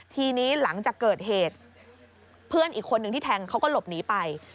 ทีนี้หลังจากเกิดเหตุเพื่อนอีกคนนึงที่แทงเขาก็หลบหนีไป